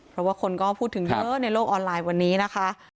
เพราะว่าคนก็พูดถึงเยอะในโลกออนไลน์วันนี้นะคะ